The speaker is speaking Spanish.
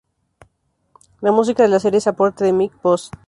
La música de la serie es aporte de Mike Post.